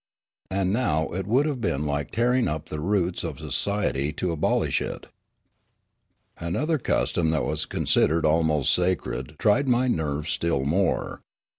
And now it would have been like tearing up the roots of society to abolish it. Another custom that was considered almost sacred tried my nerves still more.